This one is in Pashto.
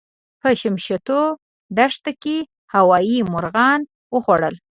په شمشتو دښته کې هوايي مرغانو وخوړل.